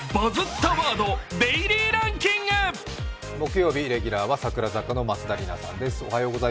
木曜日レギュラーは櫻坂の松田里奈さんです。